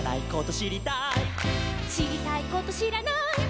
「しりたいことしらない」